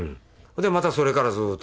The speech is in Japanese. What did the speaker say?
でまたそれからずっと。